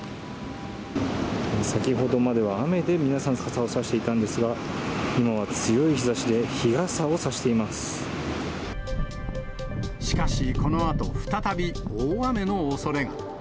先ほどまでは雨で皆さん傘を差していたんですが、今は強い日しかし、このあと再び大雨のおそれが。